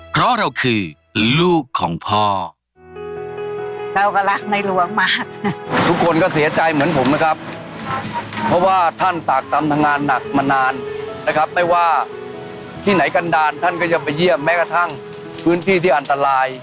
เพราะเราคือลูกของพ่อเราก็รักในหลวงมากทุกคนก็เสียใจเหมือนผมนะครับเพราะว่าท่านตากตำทำงานหนักมานานนะครับไม่ว่าที่ไหนกันดาลท่านก็จะไปเยี่ยมแม้กระทั่งพื้นที่ที่อันตราย